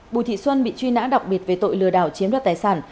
bùi thị xuân bị truy nã đặc biệt về tội lừa đảo chiếm đoạt tài sản